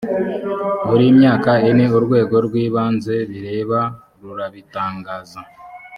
buri myaka ine urwego rw ibanze bireba rurabitangaza